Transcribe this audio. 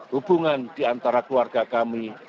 hubungan diantara keluarga kami